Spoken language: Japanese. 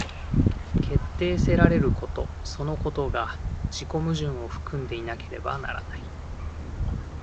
決定せられることそのことが自己矛盾を含んでいなければならない。